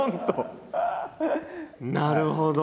なるほど！